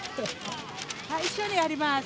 一緒にやります。